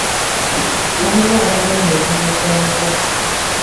Baluwa abagenda okubuuka omuguwa.